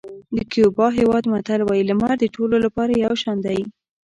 د کیوبا هېواد متل وایي لمر د ټولو لپاره یو شان دی.